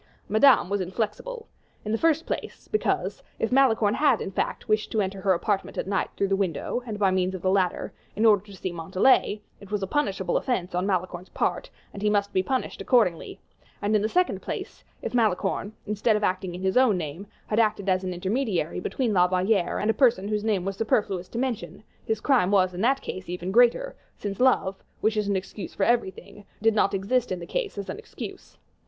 Madame was inflexible; in the first place, because, if Malicorne had, in fact, wished to enter her apartment at night through the window, and by means of the ladder, in order to see Montalais, it was a punishable offense on Malicorne's part, and he must be punished accordingly; and, in the second place, if Malicorne, instead of acting in his own name, had acted as an intermediary between La Valliere and a person whose name it was superfluous to mention, his crime was in that case even greater, since love, which is an excuse for everything, did not exist in the case as an excuse.